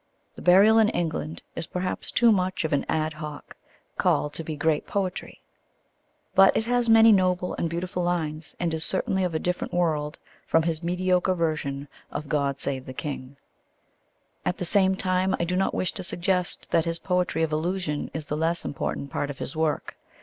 The Burial in England is perhaps too much of an ad hoc call to be great poetry. But it has many noble and beautiful lines and is certainly of a different world from his mediocre version of God Save the King. At the same time, I do not wish to suggest that his poetry of illusion is the less important part of his work.